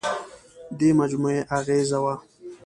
دې مجموعې اغېزه وه.